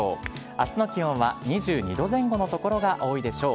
あすの気温は２２度前後の所が多いでしょう。